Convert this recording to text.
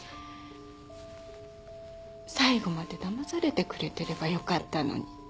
最後までだまされてくれてればよかったのに